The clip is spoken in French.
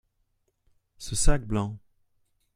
Ce sac blanc.